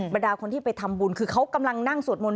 ดาคนที่ไปทำบุญคือเขากำลังนั่งสวดมนต